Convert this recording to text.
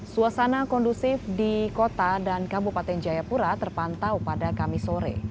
suasana kondusif di kota dan kabupaten jayapura terpantau pada kamis sore